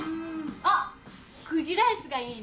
あっクジライスがいいな。